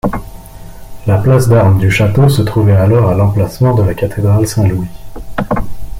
La place d'armes du château se trouvait alors à l'emplacement de la cathédrale Saint-Louis.